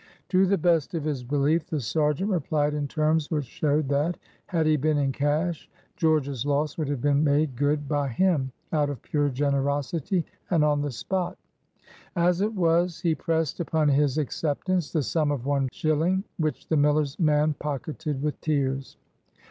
To the best of his belief, the sergeant replied in terms which showed that, had he been "in cash," George's loss would have been made good by him, out of pure generosity, and on the spot. As it was, he pressed upon his acceptance the sum of one shilling, which the miller's man pocketed with tears.